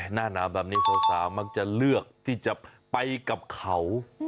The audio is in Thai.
หน้าหนาวแบบนี้สาวมักจะเลือกที่จะไปกับเขา